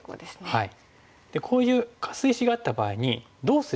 はい。